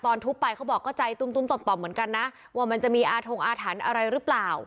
ทุบไปเขาบอกก็ใจตุ้มต่อมเหมือนกันนะว่ามันจะมีอาทงอาถรรพ์อะไรหรือเปล่า